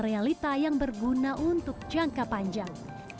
dan realita yang berguna untuk jangka panjang